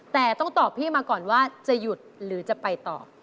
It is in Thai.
แต่ต้องตอบพี่มาก่อนว่าจะหยุดหรือจะไปต่อ